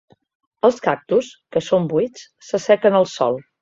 Els cactus, que són buits, s'assequen al sol.